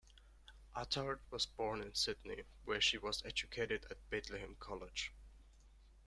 Attard was born in Sydney, where she was educated at Bethlehem College.